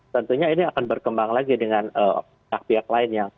tentunya ini akan berkembang lagi dengan pihak lainnya